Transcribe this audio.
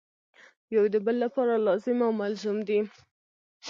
یو د بل لپاره لازم او ملزوم دي.